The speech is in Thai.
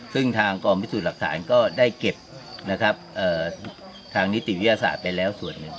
ซึ่งทางกองพิสูจน์หลักฐานก็ได้เก็บนะครับทางนิติวิทยาศาสตร์ไปแล้วส่วนหนึ่ง